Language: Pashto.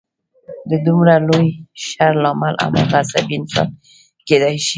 د دومره لوی شر لامل هماغه عصبي انسان کېدای شي